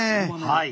はい。